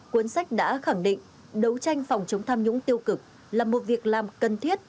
cuốn sách đã khẳng định đấu tranh phòng chống tham nhũng tiêu cực là một việc làm cần thiết